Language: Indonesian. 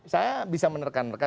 saya bisa menerkan reka